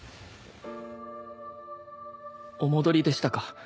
お戻りでしたか。